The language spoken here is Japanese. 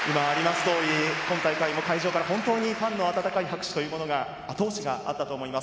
とおり今大会の会場はほんとにファンの温かい拍手というのが後押しがあったと思います。